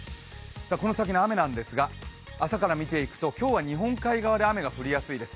この先の雨なんですが、朝から見ていくと今日は日本海側で雨が降りやすいです。